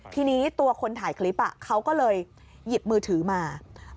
ทีนี้ตัวคนถ่ายคลิปเขาก็เลยหยิบมือถือมา